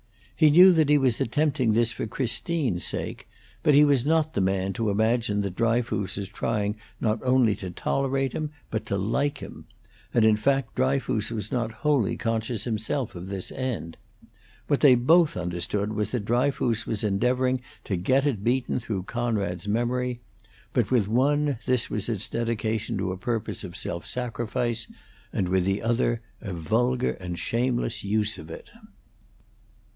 He knew that he was attempting this for Christine's sake, but he was not the man to imagine that Dryfoos was trying not only to tolerate him, but to like him; and, in fact, Dryfoos was not wholly conscious himself of this end. What they both understood was that Dryfoos was endeavoring to get at Beaton through Conrad's memory; but with one this was its dedication to a purpose of self sacrifice, and with the other a vulgar and shameless use of it.